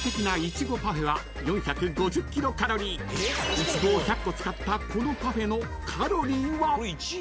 ［イチゴを１００個使ったこのパフェのカロリーは？］